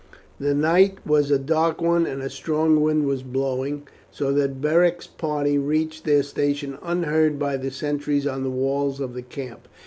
The night was a dark one and a strong wind was blowing, so that Beric's party reached their station unheard by the sentries on the walls of the camp.